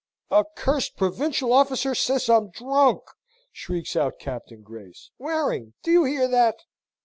"A cursed provincial officer say I'm drunk!" shrieks out Captain Grace. "Waring, do you hear that?"